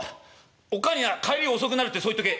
おっ母には帰り遅くなるってそう言っとけ。